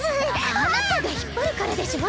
あなたが引っ張るからでしょ。